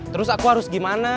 terus aku harus gimana